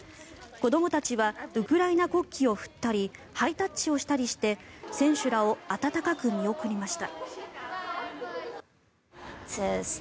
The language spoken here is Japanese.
子どもたちはウクライナ国旗を振ったりハイタッチをしたりして選手らを温かく見送りました。